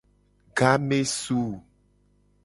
Game su.